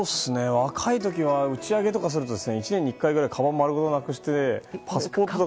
若い時は、打ち上げとかすると１年に１回ぐらいかばんを丸ごとなくして。